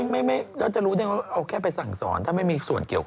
ไม่เราจะรู้เนี่ยเอาแค่ไปสั่งสอนถ้าไม่มีส่วนเกี่ยวข้อ